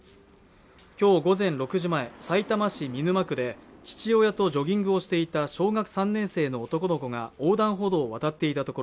今日午前６時前さいたま市見沼区で父親とジョギングをしていた小学３年生の男の子が横断歩道を渡っていた